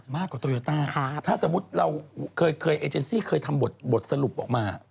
โตโยต้าถ้าสมมุติเราเคยเอเจนซี่เคยทำบทสรุปออกมา